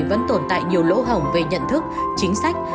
vẫn tồn tại nhiều lỗ hỏng về nhận thức chính sách